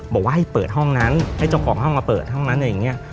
บอกว่าให้เปิดห้องนั้นให้เจ้าของห้องมาเปิดห้องนั้นอะไรอย่างนี้